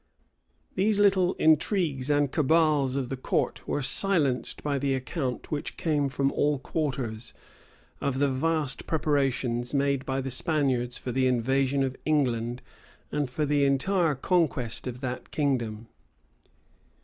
{1568.} These little intrigues and cabals of the court were silenced by the account which came from all quarters, of the vast preparations made by the Spaniards for the invasion of England, and for the entire conquest of that kingdom.